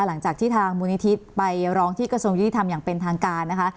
หลังจากที่ทางมูลนิธิไปร้องที่กระทรวงยุติธรรมอย่างเป็นทางการนะคะ